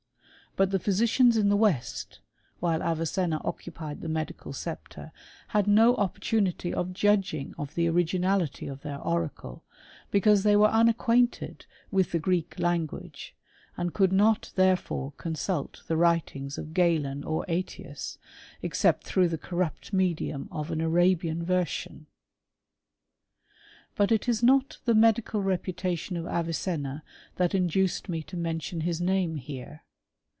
But the physicians in the west, while Avicenna occupied the medical sceptre, had no op portunity of judging of the originality of their oracle, because they were unacquainted with the Greek lann guage, and could not therefore consult the writings oE Galen or ^tius, except through the corrupt mediuob of an Arabian version. = t But it is not the medical reputation of Avicenna that> induced me to mention his name here.